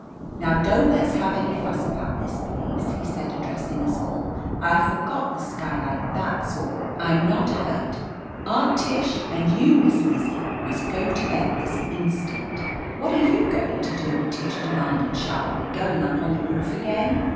"Now don't let's have any fuss about this, please," he said, addressing us all. "I forgot the skylight. That's all. I'm not hurt. Aunt Tish, and you and Miss Lizzie must go to bed this instant." 71 THE AMAZING ADVENTURES "What are you going to do?" Tish de manded sharply. "Going up on the roof again